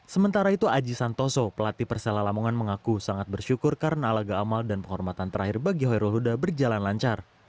sementara itu aji santoso pelatih persela lamongan mengaku sangat bersyukur karena laga amal dan penghormatan terakhir bagi hoyrul huda berjalan lancar